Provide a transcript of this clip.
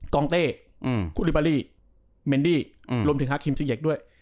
กองเต้คุลิบาลี่เมนดี้รวมถึงฮาคิมซีเย็กด้วย